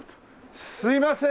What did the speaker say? すいません！